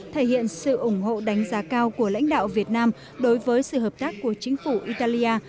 thể hiện sự ủng hộ đánh giá cao của lãnh đạo việt nam đối với sự hợp tác của chính phủ italia